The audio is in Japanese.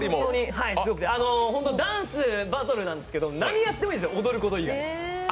ダンスバトルなんですけど、何やってもいいんですよ、踊ること以外。